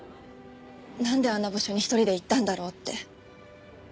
なんであんな場所に一人で行ったんだろうって。